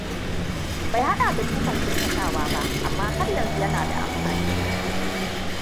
Bai haɗa da dukan ƙuntatawa ba, amma har yanzu yana da amfani.